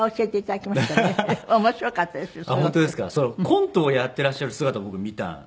コントをやっていらっしゃる姿を僕見た。